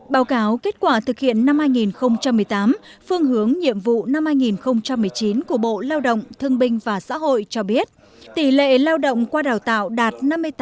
báo cáo kết quả thực hiện năm hai nghìn một mươi tám phương hướng nhiệm vụ năm hai nghìn một mươi chín của bộ lao động thương binh và xã hội cho biết tỷ lệ lao động qua đào tạo đạt năm mươi tám tám